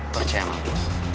percaya sama aku